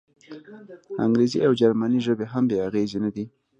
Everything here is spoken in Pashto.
انګریزي او جرمني ژبې هم بې اغېزې نه دي.